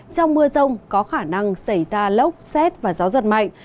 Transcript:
trong mưa rông có khả năng xảy ra lốc xét và gió giật mạnh